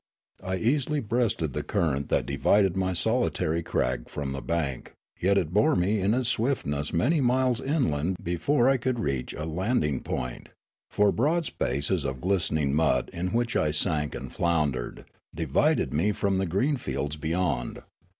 I easily breasted the current that divided my solitary crag from the bank, yet it bore me in its swift ness many miles inland before I could reach a land ing point ; for broad spaces of glistening mud, in which I sank and floundered, divided me from the green fields beyond.